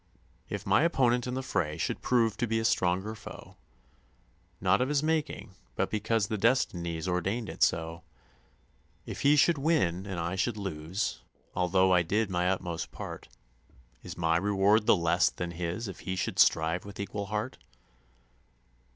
If my opponent in the fray should prove to be a stronger foe Not of his making but because the Destinies ordained it so; If he should win and I should lose although I did my utmost part, Is my reward the less than his if he should strive with equal heart?